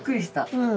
うん。